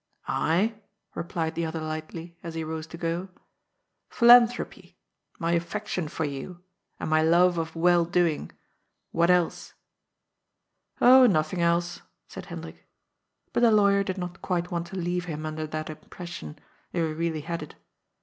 " I ?" replied the other lightly, as he rose to go. " Phi lanthropy ! My affection for you, and my love of well doing! What else?" " Oh, nothing else," said Hendrik. But the lawyer did not quite want to leave him under that impression— if he really had it.